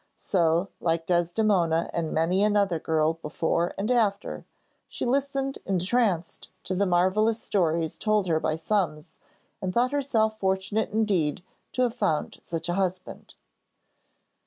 So, like Desdemona and many another girl before and after, she listened entranced to the marvellous stories told her by Summs, and thought herself fortunate indeed to have found such a husband.